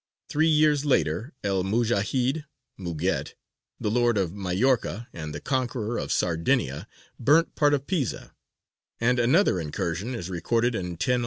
Three years later El Mujāhid ("Muget"), the lord of Majorca, and conqueror of Sardinia, burnt part of Pisa; and another incursion is recorded in 1011.